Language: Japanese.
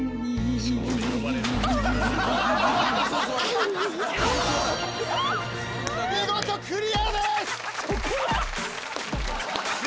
おなす見事クリアです！